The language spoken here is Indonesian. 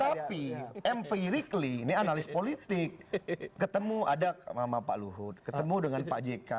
tapi mp ricky ini analis politik ketemu ada mama pak luhut ketemu dengan pak jk